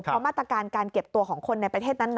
เพราะมาตรการการเก็บตัวของคนในประเทศนั้นนะ